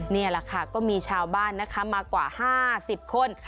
นี่แหละค่ะก็มีชาวบ้านมากว่าห้าสิบคน